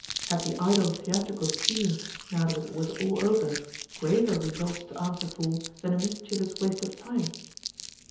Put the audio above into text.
Had the idle theatrical scheme, now that it was all over, graver results to answer for than a mischievous waste of time?